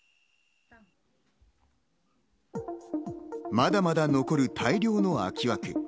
まだまだ残る大量の空き枠。